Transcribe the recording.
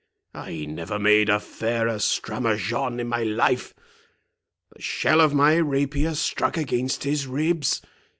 —I never made a fairer stramaçon in my life. The shell of my rapier struck against his ribs.